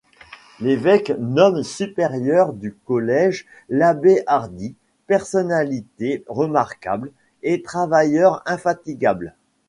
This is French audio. L'évêque nomme supérieur du collège l'abbé Hardy, personnalité remarquable et travailleur infatigable.